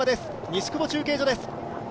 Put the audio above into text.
西久保中継所です。